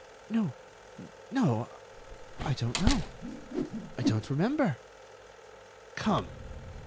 "No—no—I don't know. I don't remember." "Come!